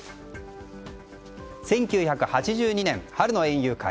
１９８２年、春の園遊会。